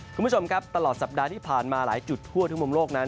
คุณผู้ชมครับตลอดสัปดาห์ที่ผ่านมาหลายจุดทั่วทุกมุมโลกนั้น